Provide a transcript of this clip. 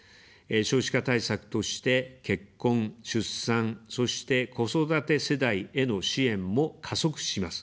少子化対策として、結婚・出産、そして子育て世代への支援も加速します。